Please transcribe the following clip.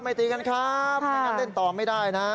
ตีกันครับไม่งั้นเล่นต่อไม่ได้นะ